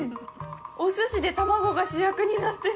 おすしで卵が主役になってる。